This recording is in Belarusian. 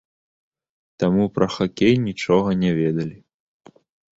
Таму пра хакей нічога не ведалі.